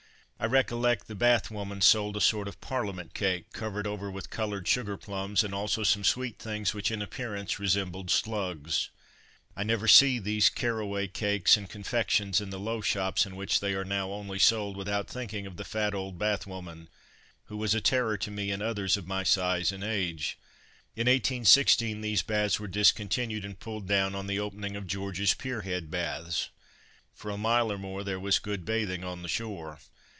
I recollect the bath woman sold a sort of parliament cake, covered over with coloured sugar plums, and also some sweet things which in appearance resembled slugs. I never see these caraway cakes and confections in the low shops in which they are now only sold, without thinking of the fat old bath woman, who was a terror to me and others of my size and age. In 1816 these baths were discontinued and pulled down on the opening of George's Pier head baths. For a mile or more there was good bathing on the shore.